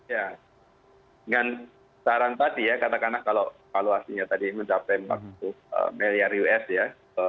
ya dengan saran tadi ya katakanlah kalau valuasinya tadi mencapai empat puluh miliar us ya